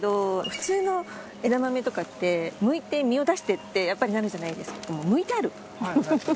普通の枝豆とかってむいて実を出してってやっぱりなるじゃないですか。